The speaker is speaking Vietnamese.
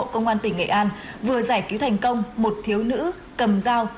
công an tỉnh nghệ an vừa giải cứu thành công một thiếu nữ cầm dao